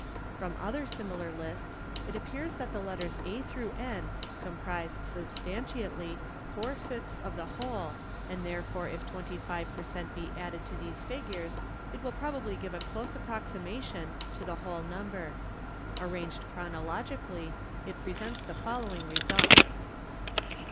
From other similar lists it appears that the letters A N comprise substantiatly four fifths of the whole and therefore if twenty five per cent, be added to these figures it will probably give a close approximation to the whole num ber. Arranged chronologically it presents the following results.